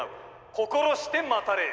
心して待たれよ」。